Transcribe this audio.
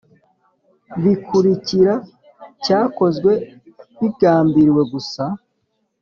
bikurikira cyakozwe bigambiriwe gusa